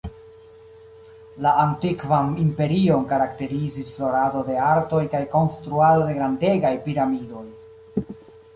La Antikvan Imperion karakterizis florado de artoj kaj konstruado de grandegaj piramidoj.